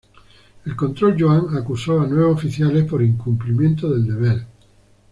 El Control Yuan acusó a nueve oficiales por incumplimiento del deber.